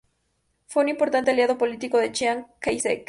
Fue un importante aliado político de Chiang Kai-shek.